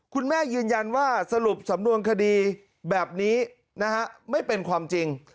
คุณแม่ยืนยันว่าสรุปสำนวนคดีแบบนี้นะฮะไม่เป็นความจริง